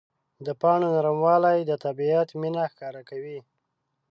د پاڼو نرموالی د طبیعت مینه ښکاره کوي.